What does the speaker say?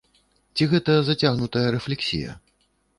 Ці гэта зацягнутая рэфлексія?